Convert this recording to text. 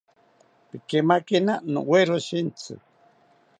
Pikeimakina nowero shintzi